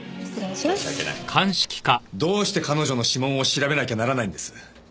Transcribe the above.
申し訳ない。どうして彼女の指紋を調べなきゃならないんです！